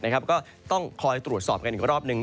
ก็ต้องคอยตรวจสอบกันอีกรอบหนึ่ง